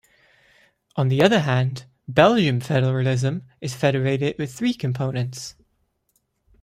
On the other hand, Belgian federalism is federated with three components.